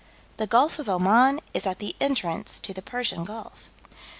The Gulf of Oman is at the entrance to the Persian Gulf.